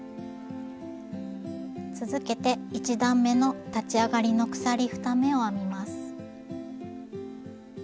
続けて１段めの立ち上がりの鎖２目を編みます。